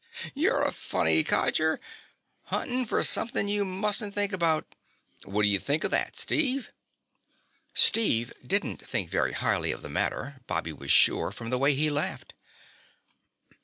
"You're a funny codger! Huntin' for something you mustn't think about! What do you think of that, Steve?" Steve didn't think very highly of the matter, Bobby was sure from the way he laughed.